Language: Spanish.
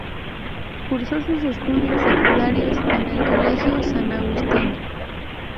Cursó sus estudios secundarios en el Colegio San Agustín.